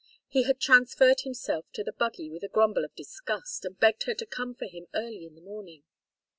He had transferred himself to the buggy with a grumble of disgust, and begged her to come for him early in the morning.